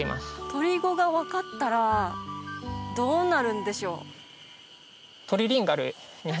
鳥語が分かったらどうなるんでしょう？